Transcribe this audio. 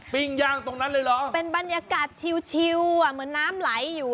ย่างตรงนั้นเลยเหรอเป็นบรรยากาศชิวอ่ะเหมือนน้ำไหลอยู่